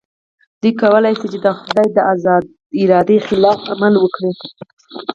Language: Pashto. دوی کولای شي د خدای د ارادې خلاف عمل وکړي.